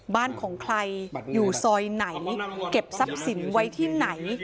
บ้านของใครอยู่ซอยไหนเก็บทรัพย์สินไว้ที่ไหน